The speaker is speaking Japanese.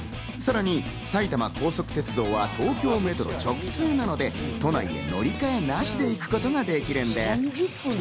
さらに埼玉高速鉄道は東京メトロ直通なので、都内に乗り換えなしで行くことができるんです。